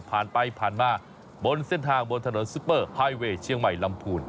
ผ่านไปผ่านมาบนเส้นทางบนถนนซุปเปอร์ไฮเวย์เชียงใหม่ลำพูน